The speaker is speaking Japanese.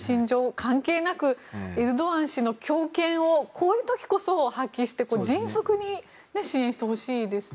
関係なくエルドアン氏の強権をこういう時こそ発揮して迅速に支援してほしいですよね。